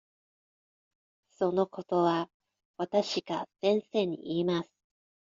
そのことはわたしが先生に言います。